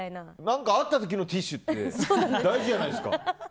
何かあった時のティッシュって大事じゃないですか。